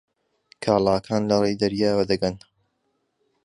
کاڵاکان لەڕێی دەریاوە دەگەن.